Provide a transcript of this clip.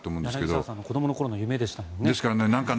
柳澤さんの子どもの頃の夢でしたもんね。